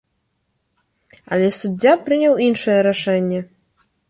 Але суддзя прыняў іншае рашэнне.